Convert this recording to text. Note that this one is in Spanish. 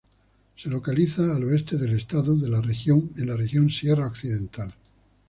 Se localiza al oeste del estado, en la Región Sierra Occidental.